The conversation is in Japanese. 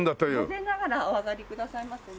混ぜながらお上がりくださいませね。